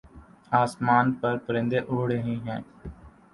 آسمان پر پرندے اڑ رہے ہیں